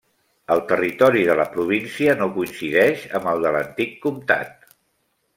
El territori de la província no coincideix amb el de l'antic comtat.